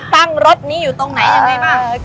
รถนี้อยู่ตรงไหนยังไงบ้าง